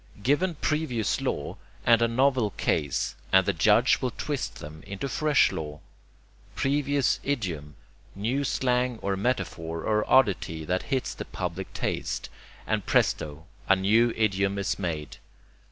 Given previous law and a novel case, and the judge will twist them into fresh law. Previous idiom; new slang or metaphor or oddity that hits the public taste: and presto, a new idiom is made.